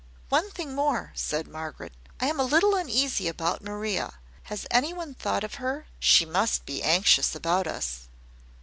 "One thing more," said Margaret. "I am a little uneasy about Maria. Has any one thought of her? She must be anxious about us."